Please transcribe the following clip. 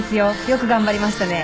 よく頑張りましたね。